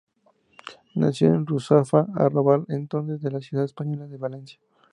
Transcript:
Nació en Ruzafa, arrabal entonces de la ciudad española de Valencia.